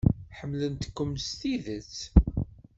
Ḥemmlent-kem s tidet.